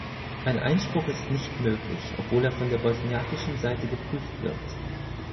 Ein Einspruch ist nicht möglich, obwohl er von der bosniakischen Seite geprüft wird.